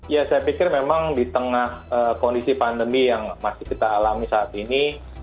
ya saya pikir memang di tengah kondisi pandemi yang masih kita alami saat ini